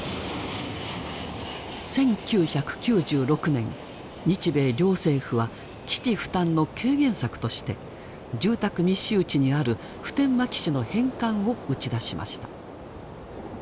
１９９６年日米両政府は基地負担の軽減策として住宅密集地にある普天間基地の返還を打ち出しました。